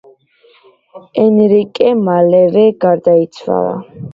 ენრიკე მალევე გარდაიცვალა.